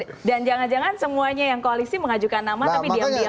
dan jangan jangan semuanya yang koalisi mengajukan nama tapi diam diam begitu